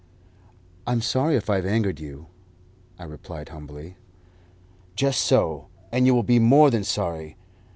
"I am sorry if I have angered you," I replied humbly. "Just so, and you will be more than sorry.